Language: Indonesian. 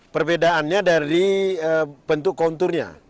perbedaannya dari bentuk konturnya